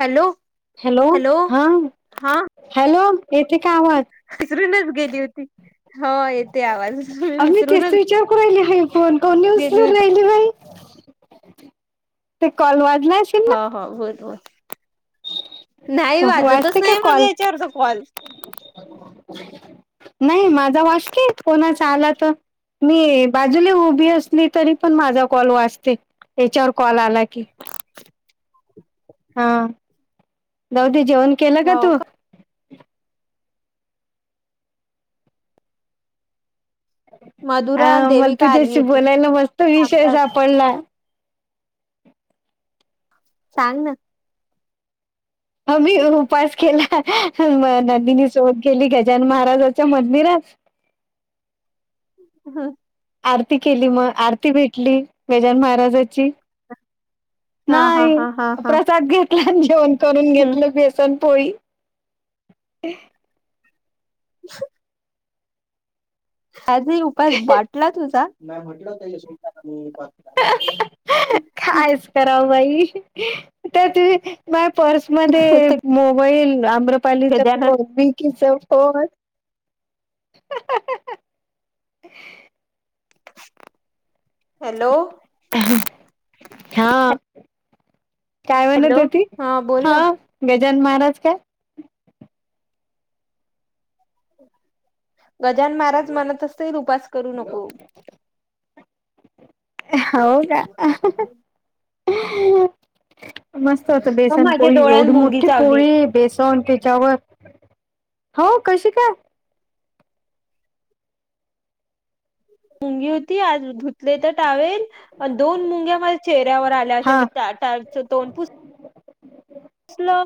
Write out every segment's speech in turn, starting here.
Hello. Hello हा हा hello येथे का आवाज? विसरूनच गेली होती हो येेते आवाज अ मी तेच विसरूनच- विचार करा ह- फोन का गेली उचलुन होती राहिले बाई ते कॉल वाजला- असेल ह ना हा बोल बोल नाही वाजतच वाजते का नाही कॉल माझा याच्यावरचा कॉल- नाही माझा वाजतोय कोणाचा आला तर- मी बाजूला उभी असली तरी पण माझा कॉल वाचते याच्यावर कॉल आला की हा जाऊदे जेवण केलं का तू? अ मधुरा मला देविका आली तुझ्याशी होती बोलायला मस्त विषय सापडला. सांग ना. ह मी उपास केला नंदनी सोबध केली गजान महाराजाच्या मंदिरात- ह आरती केली मग आरती भेटली गजानन महाराजाची. हा हा नाही हा हा हा प्रसाद घेतला आणि जेवण करून हम्म घेतलं बेसन पोळी- ह आजही उपास बाटला तुझा म्हटल होत- कायच करावं बाई तर त- बाय पर्समध्ये मोबाईल आम्रपालीचा गजानन फोन विकीचा फोन- आह आह ह हॅलो. हा काय हॅलो म्हणत होती? बोल हा. ना गजानन महाराज काय? गजानन महाराज म्हणत असतील उपास करू नको. होव ना. मस्त होत बेसन माझ्या पोळी. डोळ्यात एवढी मुंगी मोठी चावली पोळी! बेसन तेच्यावर. हो? कशी काय? मुंगी होती. आज धुतलेत टावेल. दोन मुंग्या माझ्या चेहऱ्यावर आ- [unintelligible] हा मी तोंड पूस-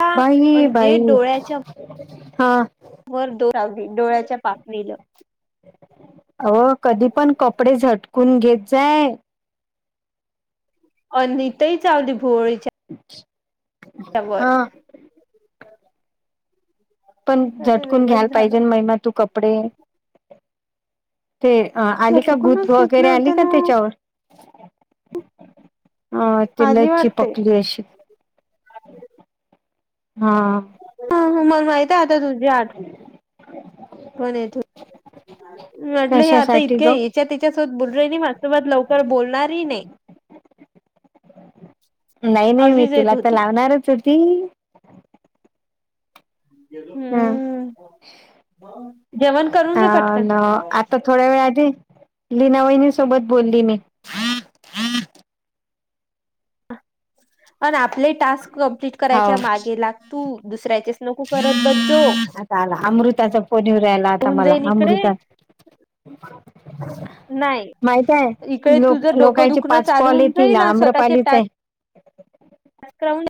का? बाई अन जे बाई डोळ्याच्या- हा. वर डोळा. हो डोळ्याच्या पापणीला. अहो! कधी पण कपडे झटकून घेत जाय. अनता ही चावली भुवळीच्याऽ अच्छा, त्यावर. पण तर ते झटकून घ्यायला वेगळंच झालं पाहिजे ना महिमा तू कपडे. ते आली का? [unintelligible] झटकूनच घेतलं वगैरे होत आली का ना त्याच्यावर? हां. ते आजी लइच वाटते चिपकली अशी. हा. ह. मला माहित आहे आता तुझी आठ- ह कोण [unintelligible] म्हटलं हे आता कशासाठी इतक्या ग याच्या त्याच्यासोबत बोल. माझसोबत लवकर बोलणारही नाही. नाही नाही. मी अशीच येत तिला तर होती लावणारच होती. ह हम्म. जेवण करून घे पटकन. आता थोड्या वेळ आधी, लिना वहिणीसोबत बोलली मी. अन आपले टास्क कंप्लीट हाव करायच्या मागे लाग तू. दुसऱ्याचे - आता आला. अमृताचा फोन येऊ राह्यला आता होऊन मला. जाईन इकडे अमृता. ह नाही माहिताय? इकडे लोक, तुझं डोकं लोकांचे दुखणं पाच चालू कॉल होऊन येतील. जाईल आणि आम्रपालीचा एक. काय म?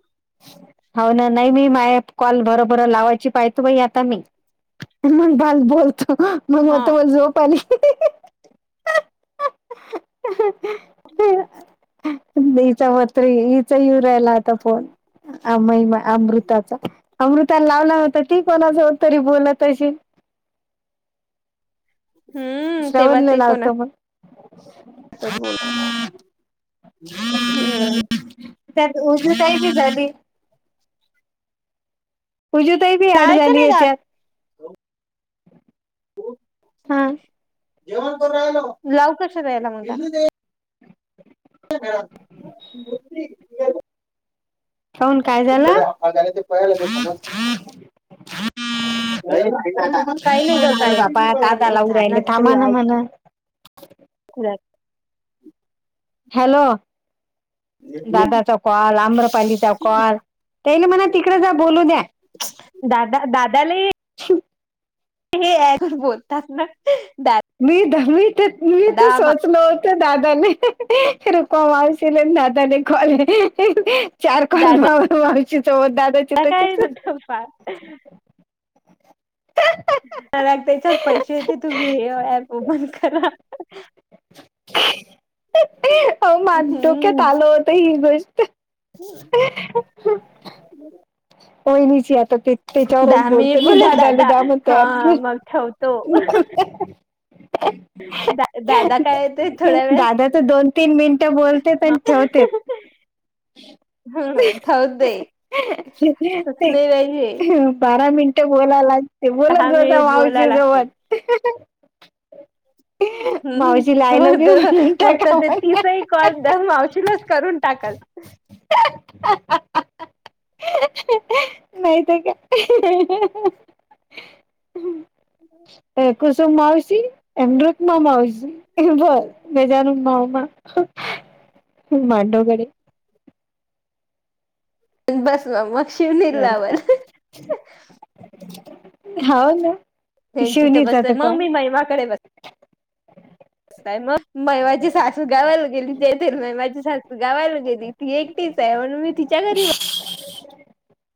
हो ना, नाही मी माय कॉल भरभर लावायची पाहिते बाई आता मी. मग भल बोलतो. मग हा म्हणतो मला झोप आली. [unintelligible] हिचा येऊ राहिला आता फोन. अमई माऽ अमृताचा. अमृताला लावला होता. ती कोणाजवळ तरी बोलत असेल. हम्म तेव्हा श्रवणले ते लावतो कोणासोबत मग. [inaudible] त्यात उजू ताईची झाली. उजु ताई बी ऍड लावायचं झाली नाही दार याच्यात. हो. हम. जेवण करायलो. लावू कशी [unintelligible] [unintelligible] [inaudible] का हून काय झाला? काही नाही ग अरे काही बाबा! नाही ए दादाला जा उरायले थांमा ना म्हण. व्हय. हॅलो. दादा च. कॉल आम्रपालीचा कॉल. त्याला म्हणा तिकडे जा. बोलू द्या. दादा दादाले. श [unintelligible] हे बोलतात ना दादा. मी द [unintelligible] मी तर मी तसच त दादाे रोक मवश दादाे कॉले [unintelligible] चार कॉल मावशी सोबत दादा का काय न ठप्पा. ह [unintelligible] लागताच्यावर पैसे येते तुम्ही हे ऍप ओपन करा. हो मज्या डोक्यात हम्म आल होत ही गोष्ट. [inaudible] ह [unintelligible] होय नाही स आता ते [unintelligible] त्याच्यावरच दहा बोलतो मिनिट मी. बोलत दादाला दादा द्या म्हणतो हा मग ठेवतो. दादा काय ते थोड्या [unintelligible] ह [unintelligible] वेळ दादा तर दोन तीन मिनिटं बोलते ह आणि ठेवते. हमौदय [unintelligible] ते बारा मिनटं बोलायलाग. ते बोलत दहा जता मिनिट बोलाय मावशी जवळ लागते. हम्म. लव्ह बघ यू म्हणून मग तर टाका ते मला तिसही कॉल द मावशीलाच करून टाकाल. अ [unintelligible] नाही तर का. कुसुम मावशी आणि रुकमा मावशी. मजा न मावमाू मांडो घडे बस मग मग शिवणी लावल. हा ना. त्यांची तर शिवनीचा बसते मग कॉल मी महिमाकडे बसते. मग महिमाची सासू गावायला गेली जथ महिमाची सासू गावायला गेली. ती एकटीच आहे म्हनुन मी तिच्या घरी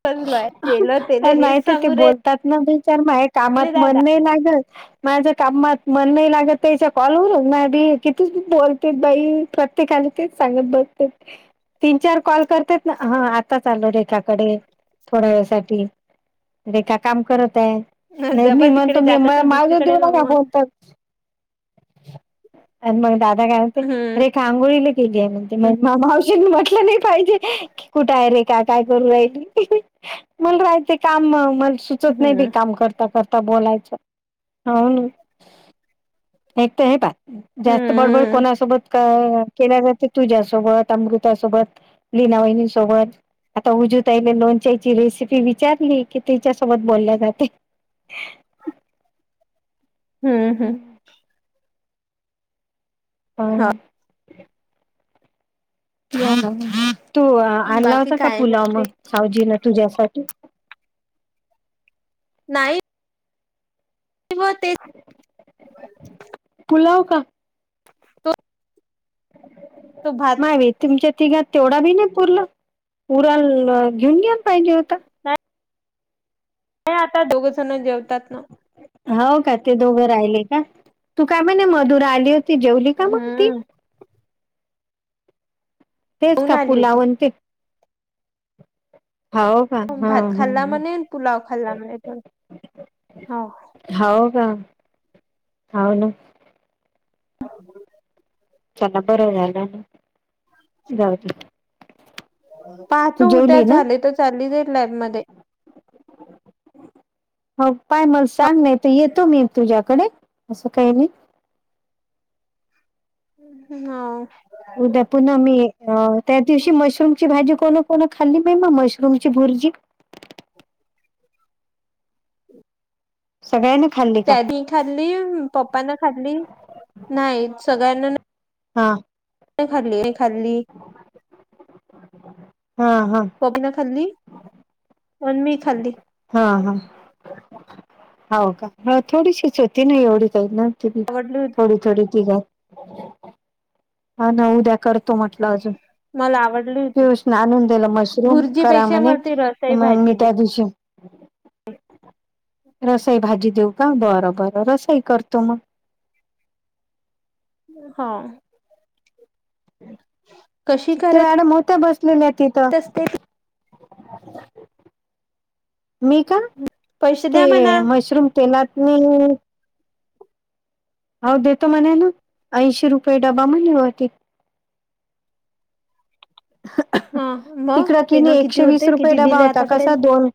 बसलोय तेल प तेल हेच माहिित ते सांगू बोलतात ना बीचार म हे राहिले कामात दादा मन नाही लागत माझ्या कामात मन नाही लागत त्याच्या कॉलवरून ना बी कितीची बोलते बाई प्रत्येकाला तेच सांगत बघते. तीन चार कॉल करते ना ह आता चालो त्याच्याकडे. थोड्या वेळासाठी रेखा काम करत आहे. नाही नाही डबल म्हग तिकडे तुम्ही जात मला असेल माझ देऊ दुसरीकडे मग नका मग फोन तर. आणि मग दादा काय हम्म म्हणतोय आंगोळ केली म्हण मग मामाऊशीनी म्हटलं नाही पाहिजे की कुठे आहे रेखा काय करू राहील. मग राहायच काम मला सुचत नाही बी हम्म काम करता करता बोलायचं. हो ना एक तर हे बात जास्त बडबड हम्म कोणासोबत का केल्या जाते तुझ्यासोबत अमृतासोबत लिनावहीनिसोबत. आता उजू ताई लोन चे रेसिपी विचारली की तीच्या सोबत बोलल्या जाते. हम्म हम्म. हा. तो हम्म आणला बाकी होता का काय पुलाव म्हणते मग सावजीन तुझ्यासाठी. नाही. ब तेज [unintelligible] पुुलाव का. हो. मावीच. तुमच्या तिघ तेवढा बी नाही पुरला पुरा घेऊन जाय पाहिजे होता हे आता दोघ जण जेवतात ना हो का ते दोघं राहिले का तू काय म्हणे मधुरा आली होती जेवली का मग त हम्म तेच खाऊन का आली होती पुूलावणचे हो का हा भात खाल्ला म पुलाव खाल्ला म र ह हो का हो ना हा चला बरं झाला जाऊच पाहतो उद्या झाले तर चालीच लाईन मध्ये [unintelligible] हो पाय मला सांग नाही तर येतो मी तुझ्याकडे असं काही नाही ह् हा उद्याच पुन्हा मी त्या दिवशी मशरूम ची भाजी कोण कोण खाल्ली नाहीहि म मशरूमची भुर्जी सगळ्यांनी खाल्ली का त्यानी खाल्ली पप्पना खाल्ली नाही सगळ्यांना हा नाही खाल्ली नाही खाल्ली हा हा [unintelligible] खाल्ली [inaudible] खाल्ली हा हा हो का ह थोडीशीच होती ना एवढीचही ना थोडी आवडली होती थोडी तची घा हा न उद्या करतो म्हटलं अजून मला आवडली होती पियुष ना आण आणून दिला मशरूम करा भुर्जीपेक्षा म्हणे मला ती रसाई मग मी भाजी दे त्या दिवशी रसाई भाजी देऊ का बरं बरं रसाई करतो मग हा कशी ते करत मॅडम होता्या बसलेले तिथं असते ती? मी कां पैसे ते द्या म्हणा मशरूम तेनात नी हो देतो म्हणे ना ऐंशी रुपये डबा म्हणे होती हा मग तिकडं ते ना किती होते किती दिले आतापर्यंत कोन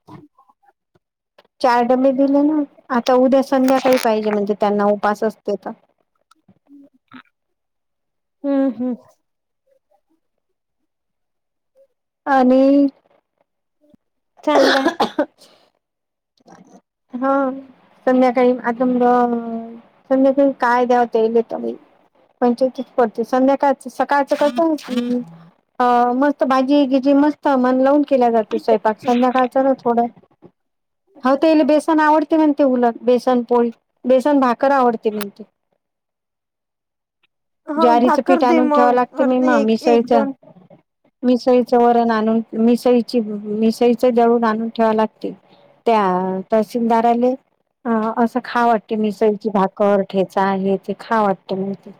चार डमे दिले ना आता उद्या संध्याकाळी पाहिजे म्हणजे त्यांना उपास असते तर हम्म हम्म आणि चांगलं आहे हा संध्याकाळी आता मज संध्याकाळी काय द्याव ते [unintelligible] संध्याकाय [unintelligible] [inaudible] मस्त भाजी गिजी मस्त मन लावून केल्या जाते स्वयपाक संध्याकाळच ना थोडं हो तेला बेसन आवडते म्हणते उलग बेसन पोळी बेसन भाकर आवडते म्हणते हा ज्वारीचं भाकर पीठ दे आणून ठेवं मग लागते मेमा अर्धे एक एक मिसळीच दोन मिसईचं वरण आणून मिसईची मिसळच दळून आणून ठेवा लागते त्या तहसीलदाराले अ असं खा वाटते मिसईची भाकर ठेचा हे ते खा वाटते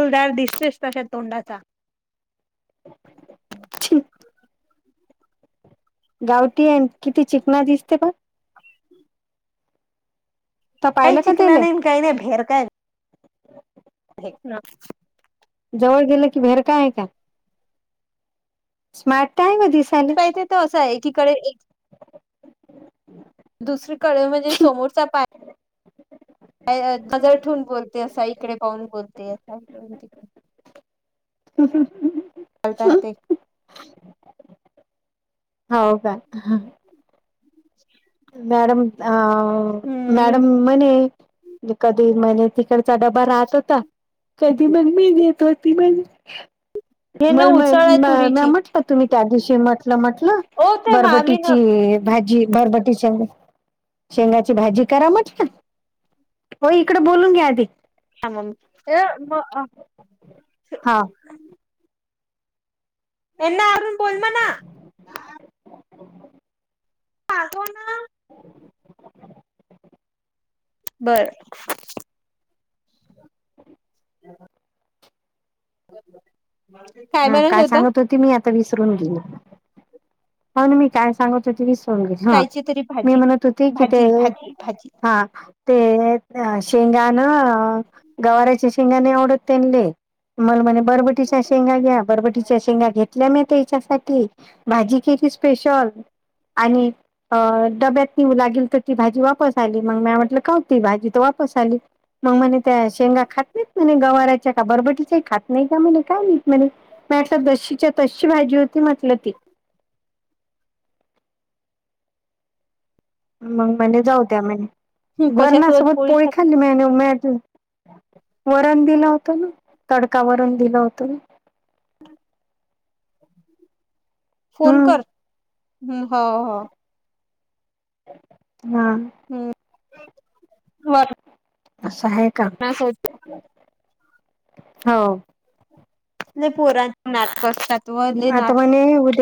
तुलदार दिसतेस तशा तोंडाचा [inaudible] गावटी आहे न किती चिकना दिसते पण. [inaudible] त काही पाहिलं का चिकना त्याले नाही न काय नाही. भेरका आहे. हेच ना. जवळ गेलं की भेरका आहे का? स्मार्ट त आहे व दिसायले. ताई तिथं असं एकीकडे दुसरीकडे म्हणजे समोरचा पाय अ नजर ठेवून बोलते असा. इकडे पाहून बोलते असा, इकडून तिकडे. [unintelligible] करता हो आलते. हो का? [inaudible] मॅडम अ हम्म मॅडम म्हणे कधी म्ह तिकड चा डबा राहत होता. कधी मम्मी देत होती मधी. हे ना मल म उसळ आहे म म्या तुरीची म्हटलं तुम्ही त्या दिवशी म्हटलं म्हटलं ओ ते मामी न बरबटीची भाजी बरबटी शेंग शेंगाची भाजी करा म्हटलं. ओ इकड बोलून घ्या आधी. [unintelligible] हा, एना आवरून बोल म्हणा. [unintelligible] [inaudible] बरं. [inaudible] हां, काय होता सांगत होते मी? आता विसरून गेली. हो ना मी काय सांगत होते विसरून गेली. हा कायची तरी मी भाजी म्हणत होती कि ते भाजी भाजी भाजी. हा, ते शेंगान, गवाराचे शेंगा नही आवडत त्यांले. मल म्हणे बरबटीच्या शेंगा घ्या. बरबटीच्या शेंगा घेतल्या मी त्यायच्यासाठी. भाजी केलती स्पेशल आणि अ डब्यात निऊ लागेल त ती भाजी वापस आली. मग म्या म्हटलं काव ती भाजी त वापस आली? मग म्हणे त्या शेंगा खात नाहीत म्हणे गवाराच्या का बरबटीच्याही खात नाही का म्हणे काय माहित म्हणे. म्या म्हटलं जशीच्या तशी भाजी होती म्हटलं ती. मग म्हणे जाऊद्या म्हणे. वरणासोबत पोळी खाल्ली महि न माह्या तिडून. वरण दिलं होतं ना. तडका वरण दिलं होतं मी. [inaudible] फोन कर. हम्म हं, हो हो. हां. हं, व्हय. असं आहे का? हो. लई पोरान नाटकं असतात. व लय नाट आता म्हणे उद